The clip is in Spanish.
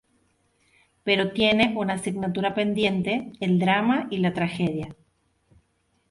Pero tiene una asignatura pendiente: el drama y la tragedia.